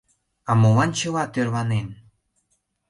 — А молан чыла тӧрланен?